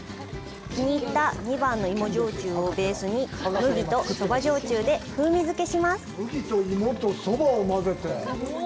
気に入った２番の芋焼酎をベースに麦とそば焼酎で風味づけします。